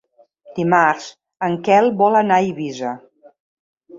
Dimarts en Quel vol anar a Eivissa.